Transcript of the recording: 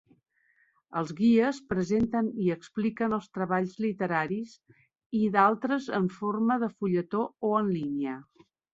Els guies presenten i expliquen els treballs literaris i d'altres en forma de fulletó o en línia.